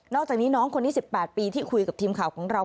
อกจากนี้น้องคนนี้๑๘ปีที่คุยกับทีมข่าวของเรา